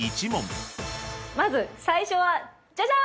まず最初はジャジャン！